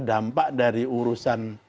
dampak dari urusan